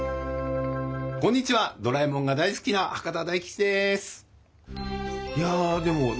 こんにちはドラえもんが大好きないやでもね